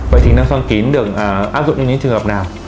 vậy thì nâng xoang kín được áp dụng trong những trường hợp nào